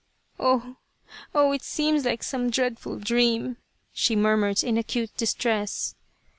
" Oh, oh ! it seems like some dreadful dream," she murmured in acute distress.